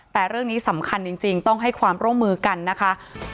แต่เรื่องนี้สำคัญจริงต้องให้ความร่วมมือกันนะคะ